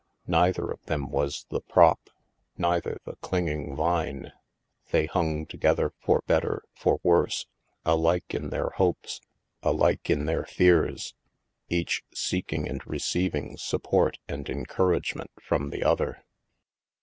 Neither of them was the prop, neither the clinging vine. They hung together for better for worse, alike in their hopes, alike in their fears, each seeking and receiv ing support and encouragement from the other.